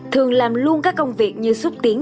thường làm luôn các công việc như xúc tiến